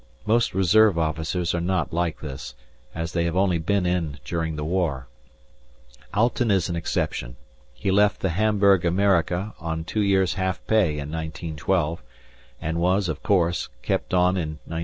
Most reserve officers are not like this, as they have only been in during the war. Alten is an exception; he left the Hamburg Amerika on two years' half pay in 1912, and was, of course, kept on in 1914.